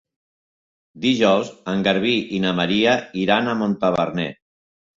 Dijous en Garbí i na Maria iran a Montaverner.